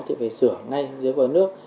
thì phải sửa ngay dưới vờ nước